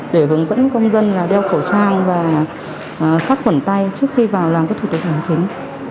để hướng dẫn công dân đeo khẩu trang và sát khuẩn tay trước khi vào làm các thủ tục hành chính